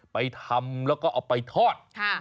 ไปทำแล้วก็เอาไปทอด